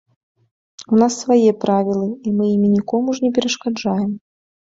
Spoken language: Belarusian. У нас свае правілы, і мы імі нікому ж не перашкаджаем!